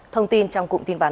thông tin trong cụm tin vấn